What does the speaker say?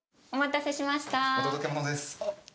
お届け物ですあっ。